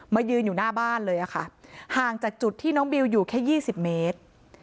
ยืนอยู่หน้าบ้านเลยค่ะห่างจากจุดที่น้องบิวอยู่แค่๒๐เมตร